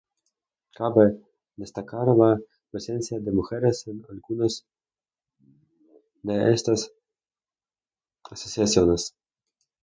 Cabe destacar la presencia de mujeres en algunas de estas asociaciones.